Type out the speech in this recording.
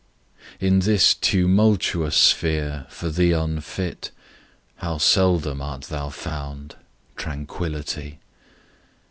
IN this tumultuous sphere, for thee unfit, How seldom art thou found Tranquillity!